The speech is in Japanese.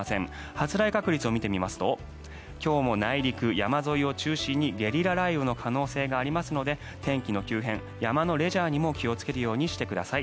発雷確率を見てみますと今日も内陸、山沿いを中心にゲリラ雷雨の可能性がありますので、天気の急変山のレジャーにも気をつけるようにしてください。